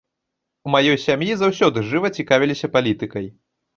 У маёй сям'і заўсёды жыва цікавіліся палітыкай.